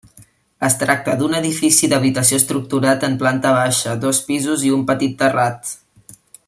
Es tracta d'un edifici d'habitació estructurat en planta baixa, dos pisos i un petit terrat.